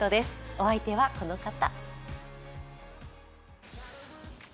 お相手はこの方。